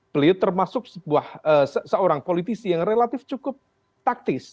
beliau termasuk seorang politisi yang relatif cukup taktis